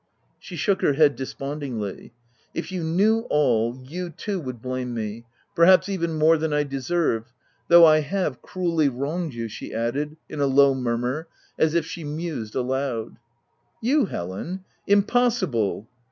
She shook her head despondingly. " If you knew all, you, too, would blame me — perhaps even more than I deserve — though I have cruelly wronged you/' she added in a low murmur, as if she mused aloud. u You, Helen ? Impossible